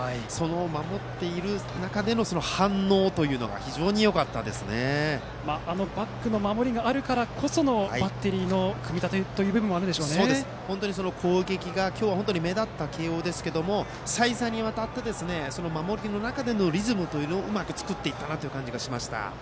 守っている中での反応というのがあのバックの守りがあるからこそのバッテリーの組み立てという攻撃が今日は目立った慶応ですが再三にわたって守りの中でのリズムをうまく作っていったという感じがしました。